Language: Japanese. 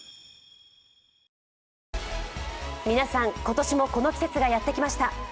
皆さん、今年もこの季節がやってきました。